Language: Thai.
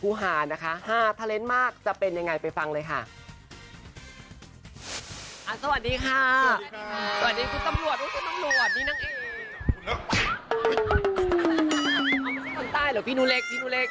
คุณต้ายหรือพี่หนูเล็กคุณละหนูเล็กนะไม่ใช่พี่หนูเล็ก